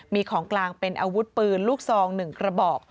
มีของกลางเป็นอาวุธปืนลูกซอง๑กระบอก